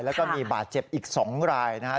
แล้วก็มีบาดเจ็บอีก๒รายนะครับ